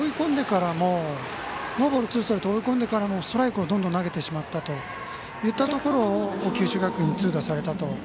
ノーボール、ツーストライクで追い込んでからもストライクをどんどん投げてしまったといったところを九州学院に痛打されたと。